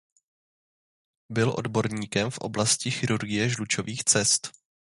Byl odborníkem v oblasti chirurgie žlučových cest.